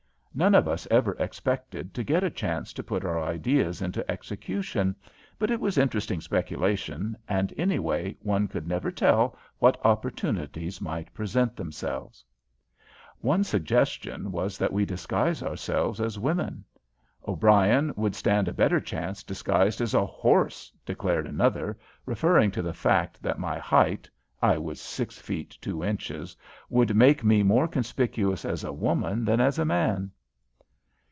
None of us ever expected to get a chance to put our ideas into execution, but it was interesting speculation, and, anyway, one could never tell what opportunities might present themselves. One suggestion was that we disguise ourselves as women. "O'Brien would stand a better chance disguised as a horse!" declared another, referring to the fact that my height (I am six feet two inches) would make me more conspicuous as a woman than as a man.